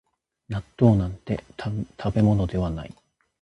納豆なんて食べ物ではない